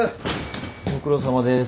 ご苦労さまです。